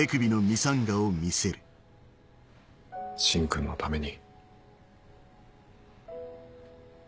芯君のために。